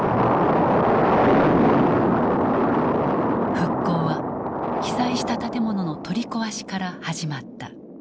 復興は被災した建物の取り壊しから始まった。